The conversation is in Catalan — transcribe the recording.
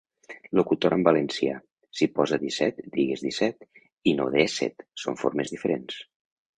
Locutora en valencià, si posa 'disset' digues 'disset' i no 'dèsset'. Són formes diferents.